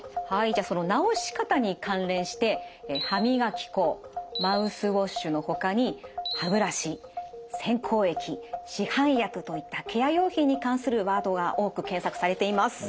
じゃあその治し方に関連して「歯磨き粉」「マウスウォッシュ」のほかに「歯ブラシ」「洗口液」「市販薬」といったケア用品に関するワードが多く検索されています。